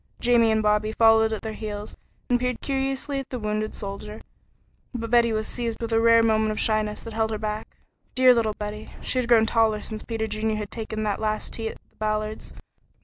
Jamie and Bobby followed at their heels and peered up curiously at the wounded soldier, but Betty was seized with a rare moment of shyness that held her back. Dear little Betty! She had grown taller since Peter Junior had taken that last tea at the Ballards.